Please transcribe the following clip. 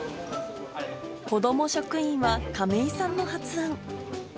子ども職員は亀井さんの発案。